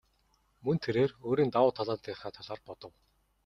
Мөн тэрээр өөрийн давуу талуудынхаа талаар бодов.